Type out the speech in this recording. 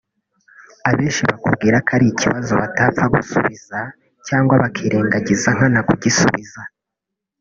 abenshi bakubwira ko ari ikibazo batapfa gusubiza cyangwa bakirengagiza nkana kugisubiza